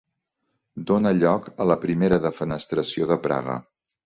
Dóna lloc a la primera Defenestració de Praga.